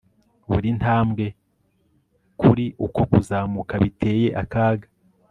buri ntambwe kuri uko kuzamuka, biteye akaga